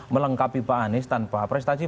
melengkapi pak anies tanpa prestasi